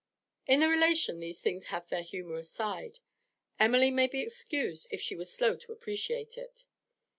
In the relation these things have their humorous side; Emily may be excused if she was slow to appreciate it.